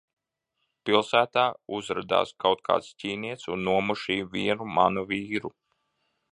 Pilsētā uzradās kaut kāds ķīnietis un nomušīja vienu manu vīru.